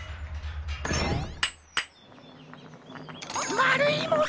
まるいもの！